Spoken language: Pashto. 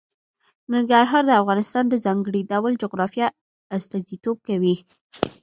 ننګرهار د افغانستان د ځانګړي ډول جغرافیه استازیتوب کوي.